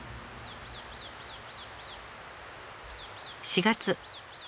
４月。